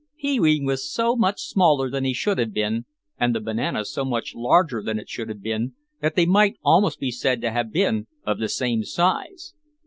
Pee wee was so much smaller than he should have been and the banana so much larger than it should have been that they might almost be said to have been of the same size.